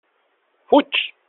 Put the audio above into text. Fuig!